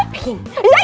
begini begini begini